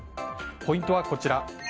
ポイントはこちら。